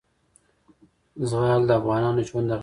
زغال د افغانانو ژوند اغېزمن کوي.